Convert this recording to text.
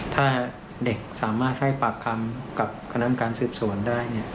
ถ้าเด็กสามารถให้ปากคำกับคณะการสืบสวนได้